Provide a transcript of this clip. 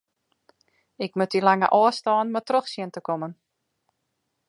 Ik moat dy lange ôfstân mar troch sjen te kommen.